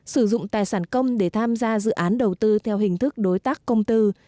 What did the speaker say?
sử dụng tài sản công để tham gia dự án đầu tư theo hình thức đối tác công tư